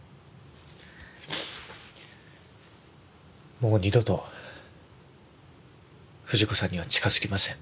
もう二度と藤子さんには近づきません。